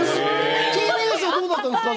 ＴＢＳはどうだったんですか？